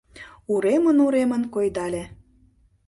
Уремын-уремын койдале.